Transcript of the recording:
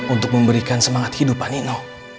untuk memberikan semangat hidup pak nino